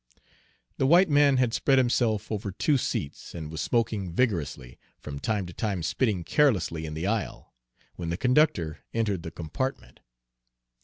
The white man had spread himself over two seats, and was smoking vigorously, from time to time spitting carelessly in the aisle, when the conductor entered the compartment.